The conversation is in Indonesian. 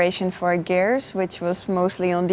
dan saya pikir semua persiapan untuk perangkat